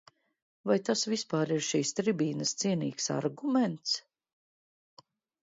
Vai tas vispār ir šīs tribīnes cienīgs arguments?